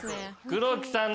黒木さん。